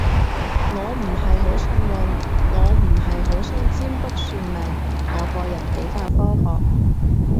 我唔係好信運，我唔係好信占卜算命，我個人比較科學